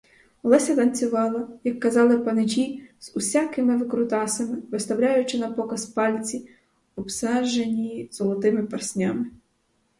Олеся танцювала, як казали паничі, з усякими викрутасами, виставляючи напоказ пальці, обсаджені золотими перснями.